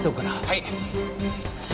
はい。